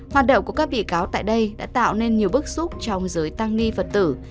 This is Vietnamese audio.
hoạt động của các bị cáo tại đây đã tạo nên nhiều bức xúc trong giới tăng ni phật tử